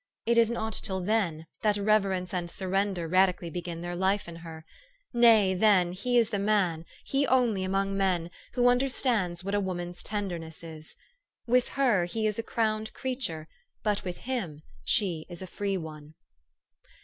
It is not till then, that reverence and surrender radi cally begin their life in her. Nay, then, he is the man, he only among men, who understands what a woman's tenderness is. With her, he is a crowned creature ; but with him she is a free one.